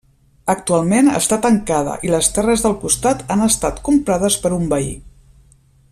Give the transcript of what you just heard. Actualment està tancada i les terres del costat han estat comprades per un veí.